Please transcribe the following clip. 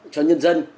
cho nhân dân